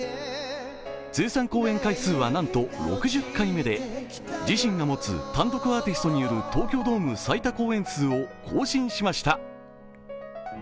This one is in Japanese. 通算公演回数はなんと６０回目で自身が持つ単独アーティストによる東京ドーム最多公演数を更新しました。